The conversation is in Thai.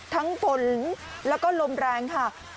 ฝนแล้วก็ลมแรงค่ะ